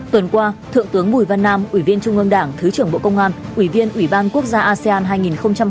tuần qua thượng tướng bùi văn nam ủy viên trung ương đảng thứ trưởng bộ công an ủy viên ủy ban quốc gia asean hai nghìn hai mươi